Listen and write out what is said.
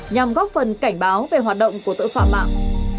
nhằm góp phần cảnh báo về hoạt động của tội phạm mạng